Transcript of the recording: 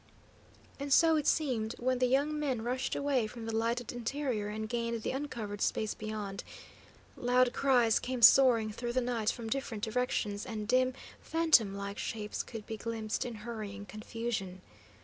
And so it seemed, when the young men rushed away from the lighted interior and gained the uncovered space beyond. Loud cries came soaring through the night from different directions, and dim, phantom like shapes could be glimpsed in hurrying confusion.